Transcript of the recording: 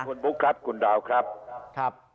สวัสดีครับคุณบุ๊คครับคุณดาวครับ